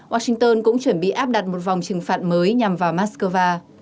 washington cũng chuẩn bị áp đặt một vòng trừng phạt mới nhằm vào moscow